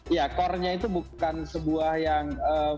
ya core nya itu bukan sebuah yang